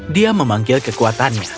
dia memanggil kekuatannya